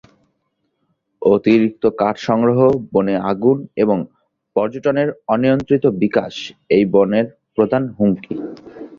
অতিরিক্ত কাঠ সংগ্রহ, বনে আগুন এবং পর্যটনের অনিয়ন্ত্রিত বিকাশ এই বনের প্রধান হুমকি।